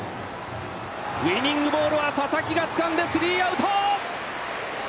ウイニングボールは佐々木がつかんでスリーアウト！